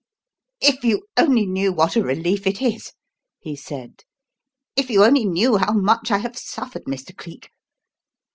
"If you only knew what a relief it is," he said. "If you only knew how much I have suffered, Mr. Cleek.